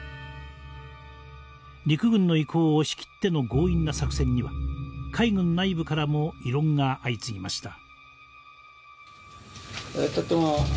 陸軍の意向を押し切っての強引な作戦には海軍内部からも異論が相次ぎました。